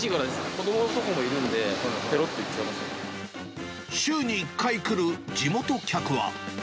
子どもとかもいるんで、週に１回来る地元客は。